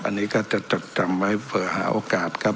อันนี้ก็จะจดจำไว้เผื่อหาโอกาสครับ